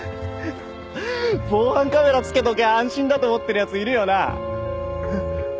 防犯カメラ付けときゃ安心だと思ってる奴いるよな。